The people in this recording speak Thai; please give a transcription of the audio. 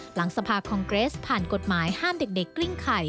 หลังสภาคองเกรสผ่านกฎหมายห้ามเด็กกลิ้งไข่